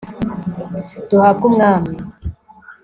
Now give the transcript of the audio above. duhabwe umwami